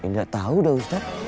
gak tau dah ustad